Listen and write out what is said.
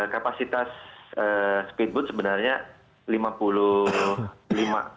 kapasitas speedboat sebenarnya lima puluh lima